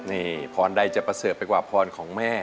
นี่พรใดจะประเสริฐไปกว่าพรของแม่